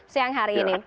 siang hari ini